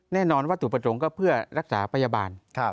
แน่นอนว่าถูกประสงค์ก็เพื่อรักษาพยาบาล